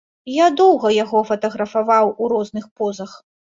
Я доўга яго фатаграфаваў у розных позах.